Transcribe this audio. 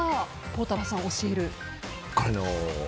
孝太郎さん、教える。